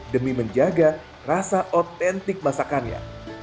demi menjaga rasa otentik masakannya